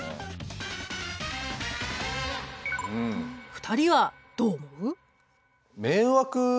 ２人はどう思う？